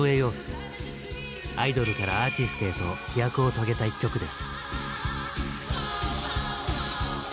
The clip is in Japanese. アイドルからアーティストへと飛躍を遂げた一曲です。